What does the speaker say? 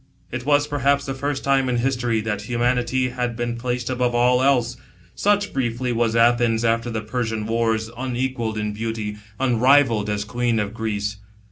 It wa^ perhaps ihe first time in history, that humanity had been placed above all else. , Such, briqfly, was Athens after the Persian wars, unequalled in beauty, unrivalled as queen of Greece.